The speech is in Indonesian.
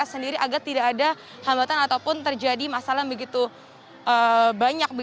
jadi kita sendiri agar tidak ada hamatan ataupun terjadi masalah yang begitu banyak